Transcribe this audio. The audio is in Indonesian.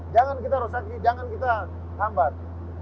jangan kita rosaki jangan kita hambat